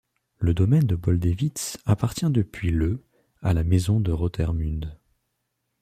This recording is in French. Le domaine de Boldevitz appartient depuis le à la maison de Rotermund.